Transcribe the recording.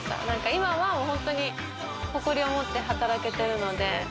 今は誇りを持って働けてるので。